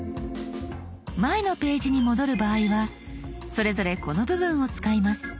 前のページに戻る場合はそれぞれこの部分を使います。